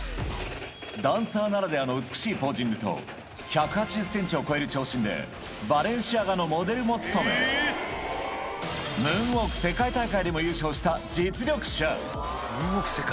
ダンサーならではの美しいポージングと、１８０センチを超える長身で、バレンシアガのモデルも務め、ムーンウォーク世界大会でも優勝した実力者。